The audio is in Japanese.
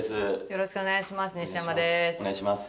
よろしくお願いします。